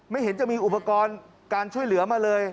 เห็นจะมีอุปกรณ์การช่วยเหลือมาเลย